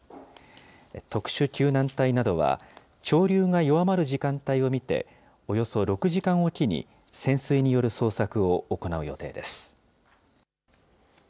特殊救難隊などは、潮流が弱まる時間帯を見て、およそ６時間置きに潜水による捜索を行う予定です。